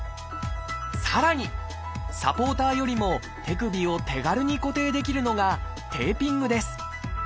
さらにサポーターよりも手首を手軽に固定できるのがテーピングです。